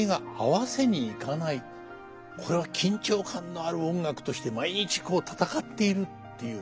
これは緊張感のある音楽として毎日戦っているっていうね